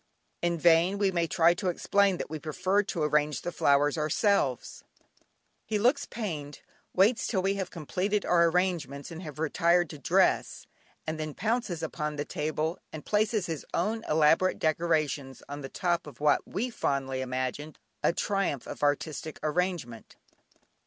In vain we may try to explain that we prefer to arrange the flowers ourselves, he looks pained, waits till we have completed our arrangements and have retired to dress, and then pounces upon the table and places his own elaborate decorations on the top of what we fondly imagined a triumph of artistic arrangement.